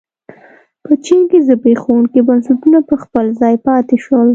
په چین کې زبېښونکي بنسټونه په خپل ځای پاتې شول.